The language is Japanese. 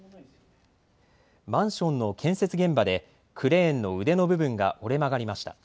マンションの建設現場でクレーンの腕の部分が折れ曲がりました。